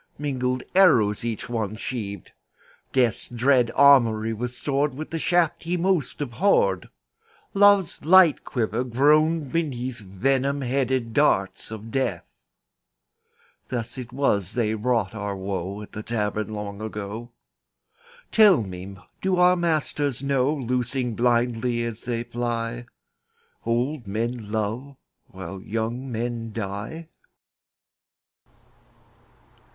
Mingled arrows each one sheaved; Death's dread armoury was stored With the shafts he most abhorred; Love's light quiver groaned beneath Venom headed darts of Death. Thus it was they wrought our woe At the Tavern long ago. Tell me, do our masters know, Loosing blindly as they fly, Old men love while young men die?